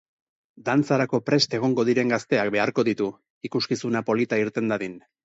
Dantzarako prest egongo diren gazteak beharko ditu, ikuskizuna polita irten dadin.